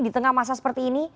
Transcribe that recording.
di tengah masa seperti ini